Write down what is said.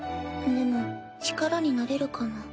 でも力になれるかな？